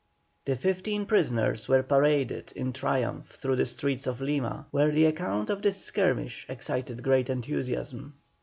The fifteen prisoners were paraded in triumph through the streets of Lima, where the account of this skirmish excited great enthusiasm.